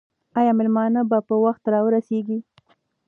آیا مېلمانه به په وخت راورسېږي؟